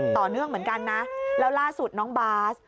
ต่อเนื่องเหมือนกันนะแล้วล่าสุดน้องบาส